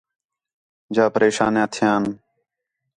جا پریشانیاں تھیان